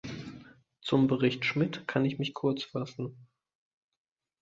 Zum Bericht Schmid kann ich mich kurz fassen.